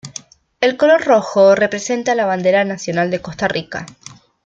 El color rojo representa a la bandera nacional de Costa Rica.